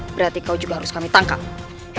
berarti kau juga harus kami tangkap